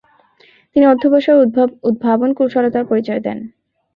তিনি অধ্যবসায় ও উদ্ভাবনকুশলতার পরিচয় দেন।